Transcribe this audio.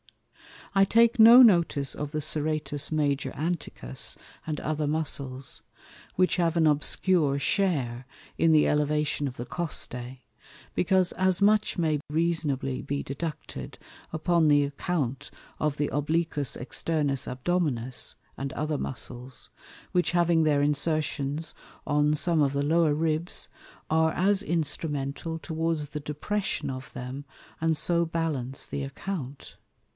I take no notice of the Serratus Major Anticus, and other Muscles; which have an obscure share in the Elevation of the Costæ, because as much may reasonably be deducted upon the account of the Obliquus externus Abdominis, and other Muscles; which having their Insertions on some of the lower Ribs are as instrumental towards the Depression of them, and so balance the Account.